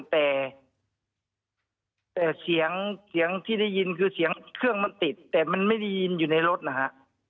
แต่เสียงเสียงที่ได้ยินคือเสียงเครื่องมันติดแต่มันไม่ได้ยินอยู่ในรถนะฮะ